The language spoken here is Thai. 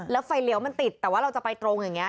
แล้วไฟเลี้ยวมันติดแต่ว่าเราจะไปตรงอย่างนี้